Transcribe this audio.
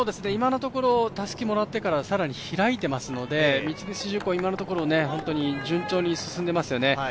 今のところ、たすきをもらってから更に開いていますので、三菱重工、今のところ順調に進んでいますよね。